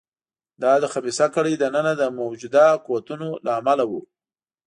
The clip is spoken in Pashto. دا د خبیثه کړۍ دننه د موجوده قوتونو له امله و.